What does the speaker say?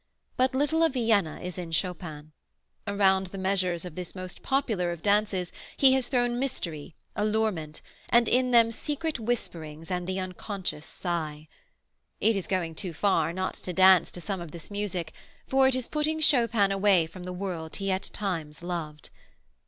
But little of Vienna is in Chopin. Around the measures of this most popular of dances he has thrown mystery, allurement, and in them secret whisperings and the unconscious sigh. It is going too far not to dance to some of this music, for it is putting Chopin away from the world he at times loved.